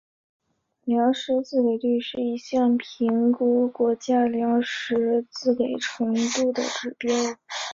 粮食自给率是一项评估国家粮食自给程度的指标。